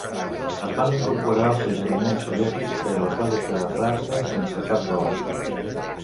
Es van incorporar els suggeriments soviètics, però es va deixar a França sense cap rol.